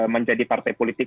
menjadi partai politik